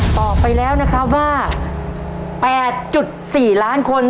ตอบไปแล้วว่า๘๔ล้านคน